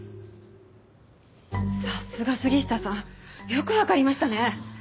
さすが杉下さんよくわかりましたね。